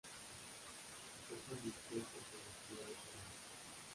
Hojas dispuestas en espiral, serradas.